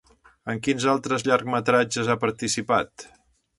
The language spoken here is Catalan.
En quins altres llargmetratges ha participat?